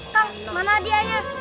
kang mana dianya